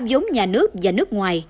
kể cả giống nhà nước và nước ngoài